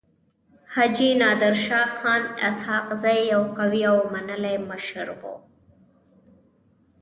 حاجي نادر شاه خان اسحق زی يو قوي او منلی مشر وو.